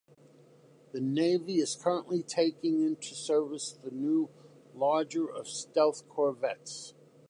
The Navy is currently taking into service the new, larger, of stealth corvettes.